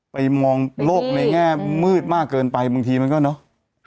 ไปมองโลกในแง่มืดมากเกินไปบางทีมันก็เนอะ